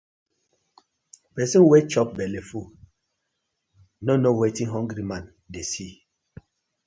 Person wey chop belle full, no know wetin hungry man dey see: